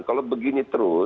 kalau begini terus